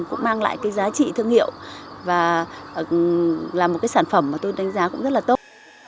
cũng mang lại cái giá trị thương hiệu và là một cái sản phẩm mà tôi đánh giá cũng rất là tốt